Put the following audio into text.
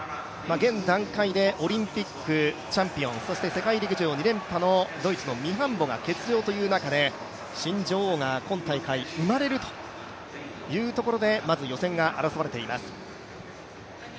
現段階でオリンピックチャンピオン、そして世界陸上２連覇のドイツのミハンボが欠場という中で新女王が今大会生まれるというところでまず予選が争われています。